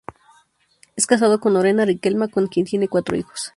Es casado con Lorena Riquelme, con quien tiene cuatro hijos.